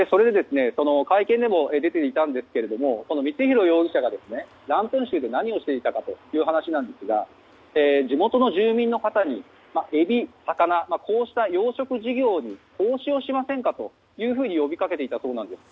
会見でも出ていたんですが光弘容疑者がランプン州で何をしていたかという話ですが地元の住民の方にエビ、魚こうした養殖事業に投資をしませんかと呼び掛けていたそうなんです。